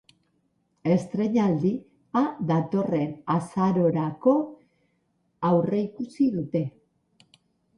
Estreinaldia datorren azarorako aurreikusi dute.